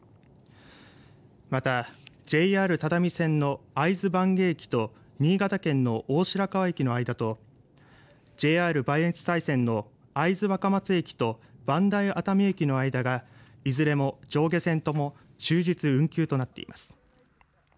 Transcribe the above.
またＪＲ只見線の会津坂下駅と新潟県の大白川駅の間とＪＲ磐越西線の会津若松駅と磐梯熱海駅の間がいずれも上下線とも終日運休となっています。